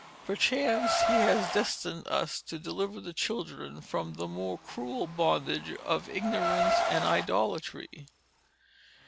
Perchance he has destined us to deliver the children from the more cruel bondage of ignorance and idolatry.